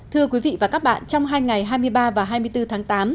thưa quý vị và các bạn trong hai ngày hai mươi ba và hai mươi bốn tháng tám